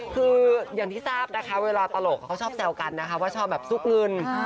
คืออย่างที่ทราบนะคะเวลาตลกเขาชอบแซวกันนะคะว่าชอบแบบซุกเงิน